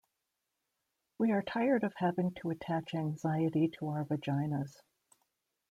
We are tired of having to attach anxiety to our vaginas.